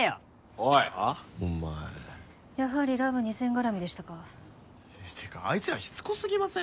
おいお前やはりラブ２０００絡みでしたかってかあいつらしつこすぎません？